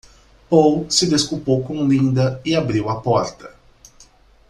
Paul se desculpou com Linda e abriu a porta.